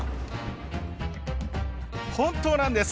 本当なんです。